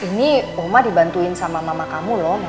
ini oma dibantuin sama mamah kamu lho mama reva